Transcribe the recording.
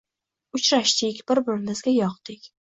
Uchrashdik, bir-birimizga yoqdik